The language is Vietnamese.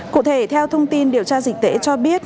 cụ thể theo thông tin điều tra dịch tễ cho biết